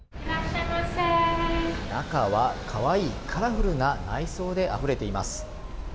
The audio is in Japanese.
中はカワイイカラフルな内装であふれています。